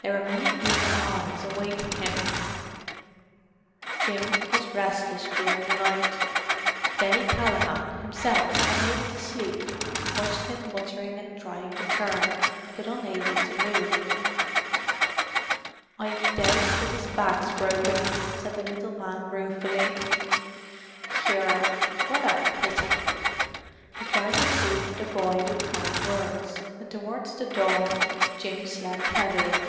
There were many eager eyes awaiting him. Jim was restless during the night; Denny Callaghan, himself unable to sleep, watched him muttering and trying to turn, but unable to move. "I doubt but his back's broken," said the little man ruefully. "Yerra, what a pity!" He tried to soothe the boy with kind words; and towards the dawn Jim slept heavily.